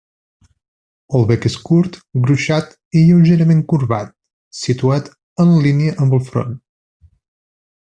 El bec és curt, gruixat i lleugerament corbat, situat en línia amb el front.